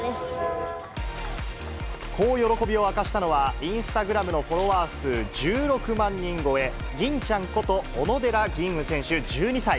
こう喜びを明かしたのは、インスタグラムのフォロワー数１６万人超え、吟ちゃんこと、小野寺吟雲選手１２歳。